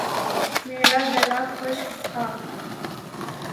میرا گلا خشک تھا